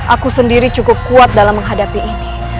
aku sendiri cukup kuat dalam menghadapi ini